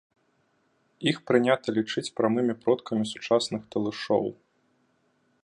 Іх прынята лічыць прамымі продкамі сучасных талышоў.